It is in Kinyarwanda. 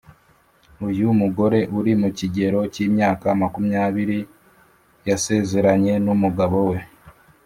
uyu mugore uri mu kigero cy’imyaka makumyabiri yasezeranye n’umugabo we